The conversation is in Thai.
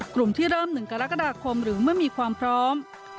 กลุ่มที่เริ่ม๑กรกฎาคมหรือเมื่อมีความพร้อม